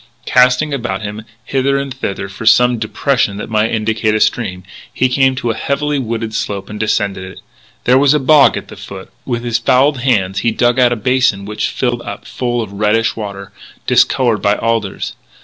Casting about him, hither and thither, for some depression that might indicate a stream, he came to a heavily wooded slope, and descended it. There was a bog at the foot. With his fouled hands he dug out a basin which filled up full of reddish water, discoloured by alders.